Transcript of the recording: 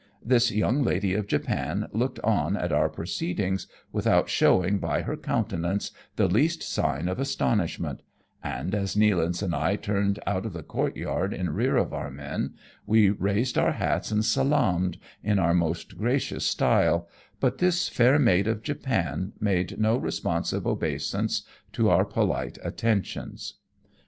This young lady of Japan looked on at our pro ceedings without showing by her countenance the least sign of astonishment, and as Nealance and I turned out of the courtyard in rear of our men, we raised our hats and salaamed in our most gracious style, but this fair maid of Japan made no responsive obeisance to our polite attentions.